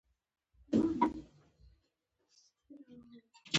نو هغه ته يې د ژوند هومره ارزښت درلود.